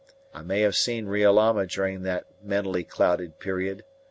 I may have seen Roraima during that mentally clouded period.